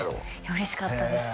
嬉しかったです